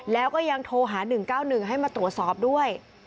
แล้วก็ยังโทรหา๑๙๑ให้มาตรวจสอบด้วย